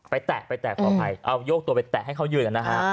แตะไปแตะขออภัยเอาโยกตัวไปแตะให้เขายืนกันนะฮะ